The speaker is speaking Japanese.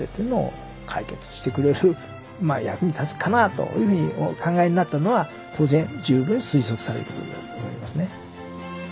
というふうにお考えになったのは当然十分に推測されることであると思いますね。